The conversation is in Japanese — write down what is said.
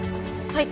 はい。